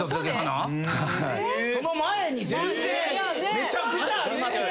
めちゃくちゃありますよ。